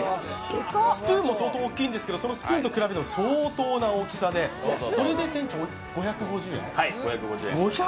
スプーンも相当大きいんですけどそのスプーンと比べても相当な大きさでこれで店長、５５０円？